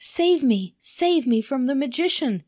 save me; save me from the magician!"